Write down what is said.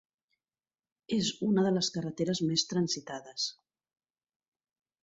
És una de les carreteres més transitades.